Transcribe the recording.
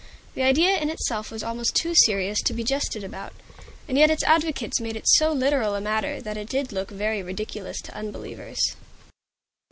The idea in itself was almost too serious to be jested about; and yet its advocates made it so literal a matter that it did look very ridiculous to unbelievers.